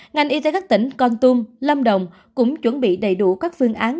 ngành y tế các tỉnh con tum lâm đồng cũng chuẩn bị đầy đủ các phương án